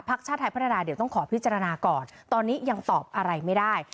ชาติไทยพัฒนาเดี๋ยวต้องขอพิจารณาก่อนตอนนี้ยังตอบอะไรไม่ได้